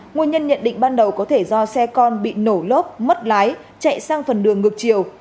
nguyên nhân nhận định ban đầu có thể do xe con bị nổ lốp mất lái chạy sang phần đường ngược chiều